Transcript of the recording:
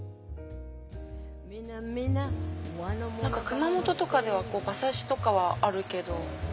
熊本とかでは馬刺しとかはあるけど。